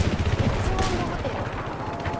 「リッチモンドホテル」